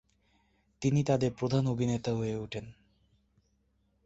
তিনি তাদের প্রধান অভিনেতা হয়ে ওঠেন।